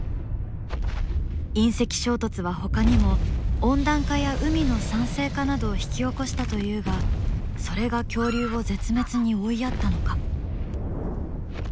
隕石衝突はほかにも温暖化や海の酸性化などを引き起こしたというがそれが恐竜を絶滅に追いやったのか？